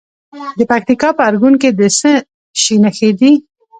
د پکتیکا په ارګون کې د څه شي نښې دي؟